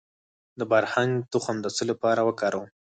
د بارهنګ تخم د څه لپاره وکاروم؟